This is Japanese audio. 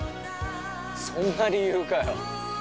そんな理由かよ。